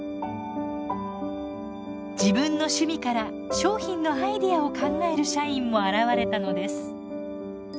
自分の趣味から商品のアイデアを考える社員も現れたのです。